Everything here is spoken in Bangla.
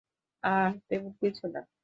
আহ, তেমন কিছু না।